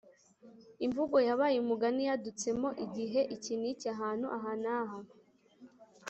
imvugo yabaye umugani yadutsemo igihe iki n’iki, ahantu aha n’aha.